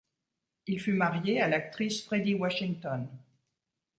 Il fut marié à l'actrice Fredi Washington.